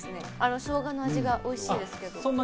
しょうがの味がおいしいですけど。